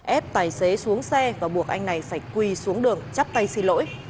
ép tài xế xuống xe và buộc anh này phải quỳ xuống đường chắp tay xin lỗi